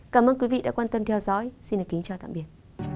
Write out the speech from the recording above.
cảm ơn quý vị đã quan tâm theo dõi xin kính chào tạm biệt